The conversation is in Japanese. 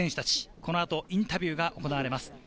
この後、インタビューが行われます。